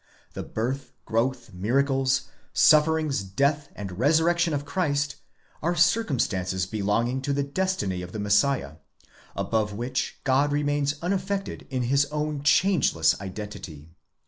The birth, growth, miracles, suffer ings, death, and resurrection of Christ, are circumstances belonging to the destiny of the Messiah, above which God remains unaffected in his own changeless identity.